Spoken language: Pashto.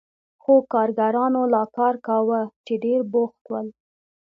خو کارګرانو لا کار کاوه چې ډېر بوخت ول.